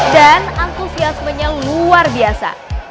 dan antusiasmenya luar biasa